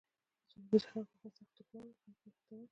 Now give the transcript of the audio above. روزې خان کاکا سخت ټوکمار وو ، خلک به ئی خندول